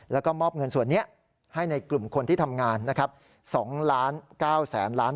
แล้วก็มอบเงินส่วนนี้ให้ในกลุ่มคนที่ทำงาน